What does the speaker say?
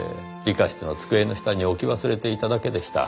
理科室の机の下に置き忘れていただけでした。